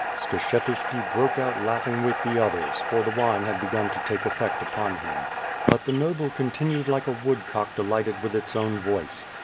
Skshetuski broke out laughing with the others, for the wine had begun to take effect upon him. But the noble continued like a woodcock delighted with its own voice.